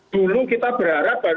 dulu kita berharap